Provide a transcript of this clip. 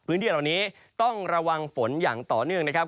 พื้นที่เหล่านี้ต้องระวังฝนอย่างต่อเนื่องนะครับ